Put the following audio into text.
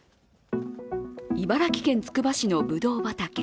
茨城県つくば市のぶどう畑。